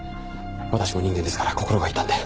私も人間ですから心が痛んで。